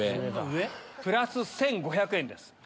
プラス１５００円です。